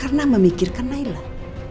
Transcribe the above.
karena memikirkan nailah